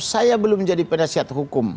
saya belum jadi penasihat hukum